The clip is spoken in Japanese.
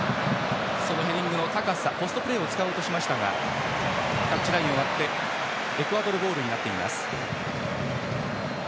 ヘディングの高さポストプレーを使おうとしましたがタッチラインを割ってエクアドルボールになりました。